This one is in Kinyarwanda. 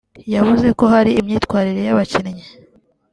yavuze ko hari imyitwarire y’abakinnyi